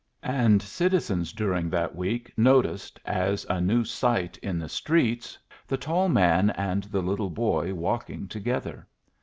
And citizens during that week noticed, as a new sight in the streets, the tall man and the little boy walking together.